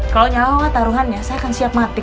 kalau nyawa taruhannya saya akan siap mati